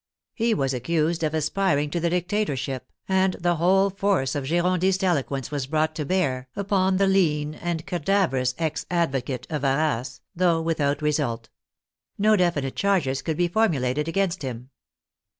He was accused of aspir ing to the dictatorship, and the whole force of Giron dist eloquence was brought to bear upon the lean and cadaverous ex advocate of Arras, though without re sult. No definite charges could be formulated against him.